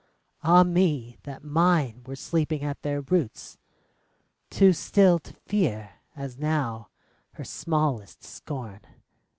Ah me I that mine were sleeping at their roots — Too still to fear, as now, her smallest scorn.